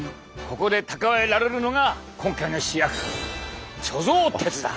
ここで蓄えられるのが今回の主役貯蔵鉄だ！